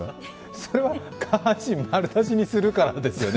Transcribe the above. それは下半身丸出しにするからですよね。